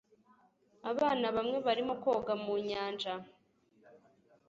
abana bamwe barimo koga mu nyanja